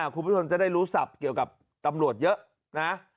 คุณผู้ชมจะได้รู้ศัพท์เกี่ยวกับตำรวจเยอะนะ